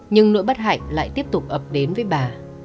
nhưng nỗi bất hạnh lại tiếp tục ập đến với bà